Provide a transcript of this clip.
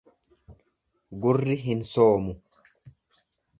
Gurri hin soomu.